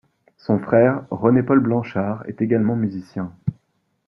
Son frère, René-Paul Blanchard, est également musicien.